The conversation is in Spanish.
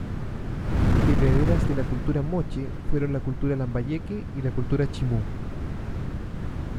Herederas de la cultura moche fueron la cultura lambayeque y la cultura chimú.